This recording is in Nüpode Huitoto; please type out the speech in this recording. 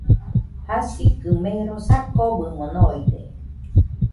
Jasikɨ mero , sakɨbɨmo noide.